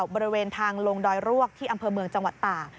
บริเวณทางลงดอยรวกที่อำเภอเมืองจังหวัดตาก